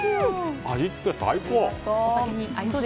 味付け、最高！